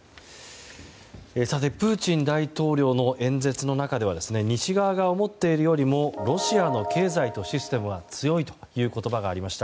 さてプーチン大統領の演説の中では西側が思っているよりもロシアの経済とシステムは強いという言葉がありました。